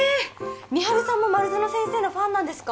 美晴さんも丸園先生のファンなんですか？